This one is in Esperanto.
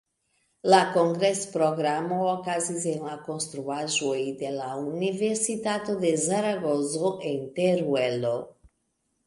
La kongres-programo okazis en la konstruaĵoj de la Universitato de Zaragozo en Teruelo.